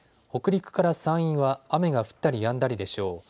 北陸から山陰は雨が降ったりやんだりでしょう。